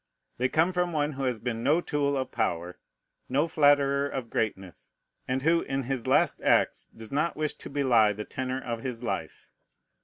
They come from one who has been no tool of power, no flatterer of greatness, and who in his last acts does not wish to belie the tenor of his life.